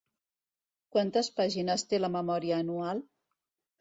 Quantes pàgines té la memòria anual?